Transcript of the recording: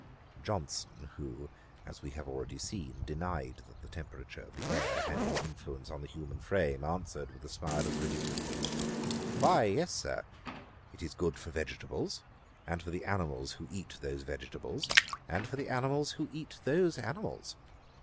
Johnson, who, as we have already seen, denied that the temperature of the air had any influence on the human frame, answered, with a smile of ridicule, 'Why yes, Sir, it is good for vegetables, and for the animals who eat those vegetables, and for the animals who eat those animals.'